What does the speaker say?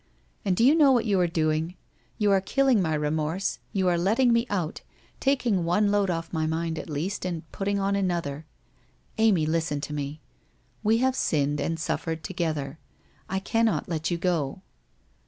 ' And do you know what you are doing? You are killing my remorse, you are letting me out, taking one load off my mind at least, and putting another on. Amy, listen to me! We have sinned and suffered together. I cannot let you go.'